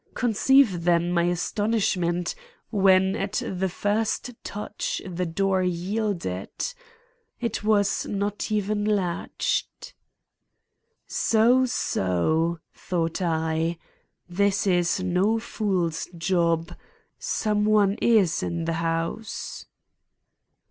Conceive then my astonishment when at the first touch the door yielded. It was not even latched. "So! so!" thought I. "This is no fool's job; some one is in the house."